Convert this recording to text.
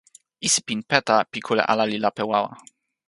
isipin peta pi kule ala li lape wawa.